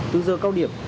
từ giờ cao điểm